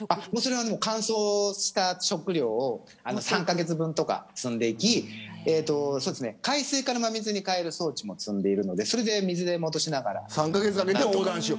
乾燥した食料を３カ月分とか積んでいき海水から真水に変える装置も積んでいるのでそれで、水に戻しながら何とか。